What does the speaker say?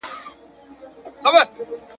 د ماشومانو خبرو ته په دقت غوږ ونیسئ.